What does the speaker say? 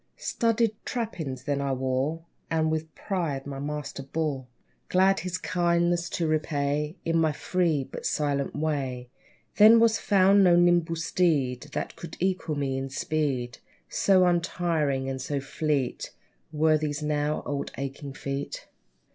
Studded trappings then I wore, And with pride my master bore, Glad his kindness to repay In my free, but silent way. Then was found no nimble steed That could equal me in speed, So untiring, and so fleet Were these now, old, aching feet.